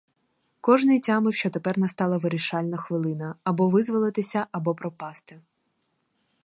Кожний тямив, що тепер настала вирішальна хвилина: або визволитися, або пропасти.